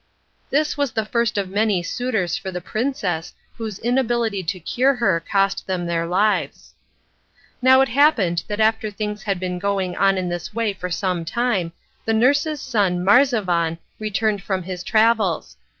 This was the first of many suitors for the princess whose inability to cure her cost them their lives. Now it happened that after things had been going on in this way for some time the nurse's son Marzavan returned from his travels.